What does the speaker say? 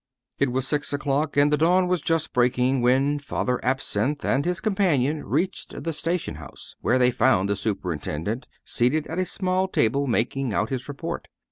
XXII It was six o'clock, and the dawn was just breaking when Father Absinthe and his companion reached the station house, where they found the superintendent seated at a small table, making out his report.